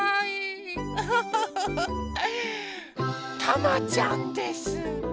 たまちゃんです！